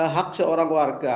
hak seorang warga